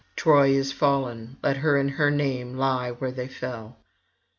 Troy is fallen; let her and her name lie where they fell.'